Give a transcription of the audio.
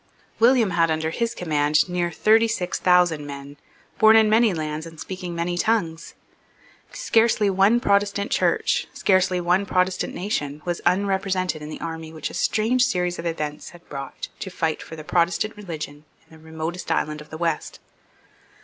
William had under his command near thirty six thousand men, born in many lands, and speaking many tongues. Scarcely one Protestant Church, scarcely one Protestant nation, was unrepresented in the army which a strange series of events had brought to fight for the Protestant religion in the remotest island of the west.